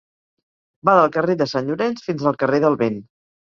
Va del carrer de Sant Llorenç fins al carrer del Vent.